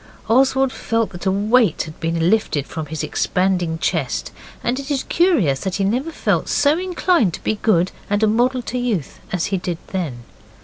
Oswald felt that a weight had been lifted from his expanding chest, and it is curious that he never felt so inclined to be good and a model youth as he did then.